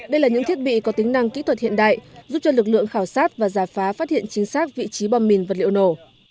đây là những thiết bị có tính năng kỹ thuật hiện đại giúp cho lực lượng khảo sát và giả phá phát hiện chính xác vị trí bom mìn vật liệu nổ